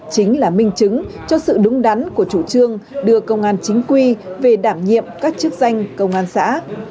chính là minh chứng cho sự đúng đắn của chủ trương đưa công an chính quy về đảm nhiệm các chức danh công an xã